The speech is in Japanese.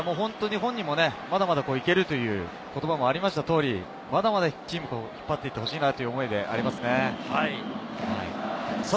本人もまだまだいけるという言葉もあった通り、まだまだチームを引っ張っていってほしいなという気持ちがありますね。